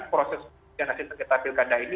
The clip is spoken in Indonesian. proses penyelidikan hasil sengketa pilkada ini